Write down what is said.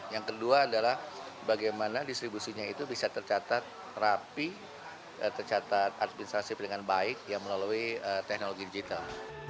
yang kedua adalah bagaimana distribusinya itu bisa tercatat rapi tercatat administrasif dengan baik yang melalui teknologi digital